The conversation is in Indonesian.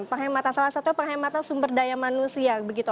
penghematan salah satunya penghematan sumber daya manusia begitu